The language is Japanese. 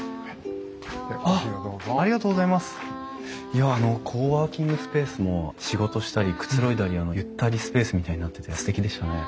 いやあのコワーキングスペースも仕事したりくつろいだりゆったりスペースみたいになっててすてきでしたね。